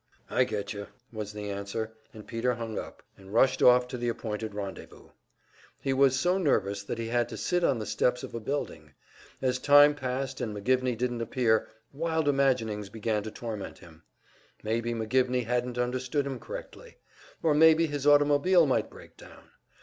"I get you," was the answer, and Peter hung up, and rushed off to the appointed rendezvous. He was so nervous that he had to sit on the steps of a building. As time passed and McGivney didn't appear, wild imaginings began to torment him. Maybe McGivney hadn't understood him correctly! Or maybe his automobile might break down!